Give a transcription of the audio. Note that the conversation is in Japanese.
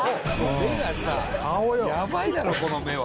目がさヤバいだろこの目は。